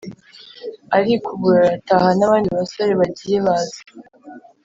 arikubura arataha. n’abandi basore bagiye baza